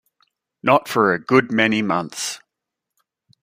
Not for a good many months.